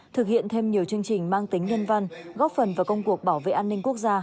thực hiện thêm nhiều chương trình mang tính nhân văn góp phần vào công cuộc bảo vệ an ninh quốc gia